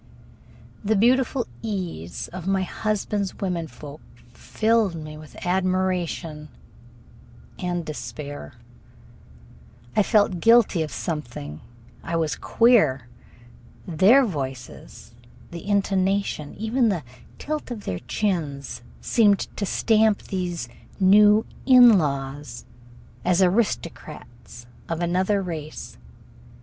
The beautiful ease of my husband's women folk filled me with admiration and despair. I felt guilty of something. I was queer. Their voices, the intonation, even the tilt of their chins, seemed to stamp these new "in laws" as aristocrats of another race.